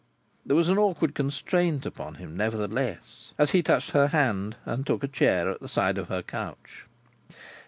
There was an awkward constraint upon him, nevertheless, as he touched her hand, and took a chair at the side of her couch.